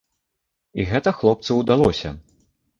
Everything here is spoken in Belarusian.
І гэта хлопцу ўдалося.